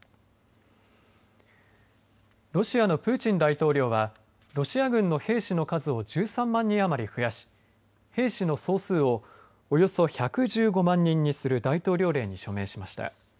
ロシアのプーチン大統領はロシア軍の兵士の数を１３万人余り増やし兵士の総数をおよそ１１５万人にする大統領令に署名しました。